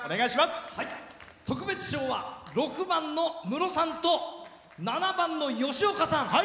特別賞は６番のむろさんと７番の、よしおかさん